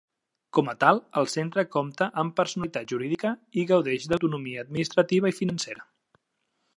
Com a tal, el centre compta amb personalitat jurídica i gaudeix d'autonomia administrativa i financera.